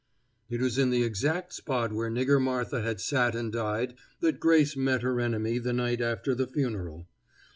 It was in the exact spot where Nigger Martha had sat and died that Grace met her enemy the night after the funeral.